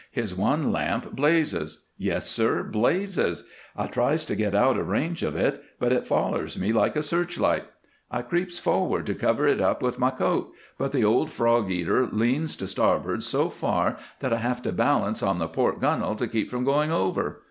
His one lamp blazes. Yes, sir, blazes! I tries to get out of range of it, but it follers me like a searchlight. I creeps forward to cover it up with my coat, but the old frog eater leans to starboard so far that I have to balance on the port gunnel to keep from going over.